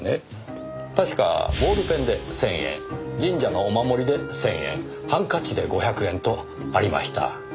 確かボールペンで１０００円神社のお守りで１０００円ハンカチで５００円とありました。